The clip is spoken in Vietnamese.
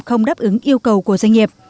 không đáp ứng yêu cầu của doanh nghiệp